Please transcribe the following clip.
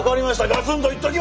ガツンと言っときますよ。